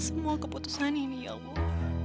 semua keputusan ini ya allah